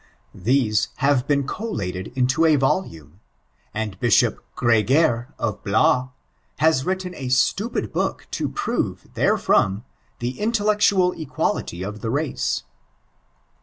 These have been collated into a volume, and Bishop Gregoire, of Blois, has written a stapid book to prove, therefrom, the intellectual equality of the race.